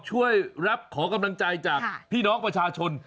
ช่วยรับขอกำลังใจจากพี่น้องประชาชน